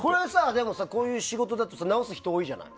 でも、こういう仕事だと治す人多いじゃない。